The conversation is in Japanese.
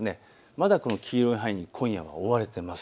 まだこの黄色い範囲、今夜は覆われています。